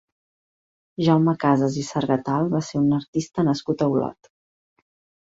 Jaume Casas i Sargatal va ser un artista nascut a Olot.